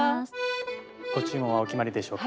ご注文はお決まりでしょうか？